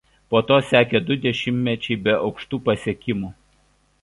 Po to sekė du dešimtmečiai be aukštų pasiekimų.